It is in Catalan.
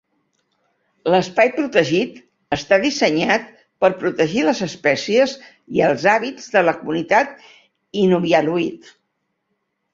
L'espai protegit està dissenyat per protegir les espècies i els hàbits de la comunitat inuvialuit.